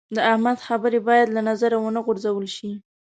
د احمد خبرې باید له نظره و نه غورځول شي.